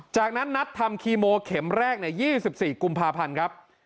จากนั้นนัดทำคีโมเข็มแรกใน๒๔กุมภาพันธ์ครับ